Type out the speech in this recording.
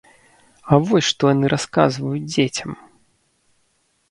А вось што яны расказваюць дзецям!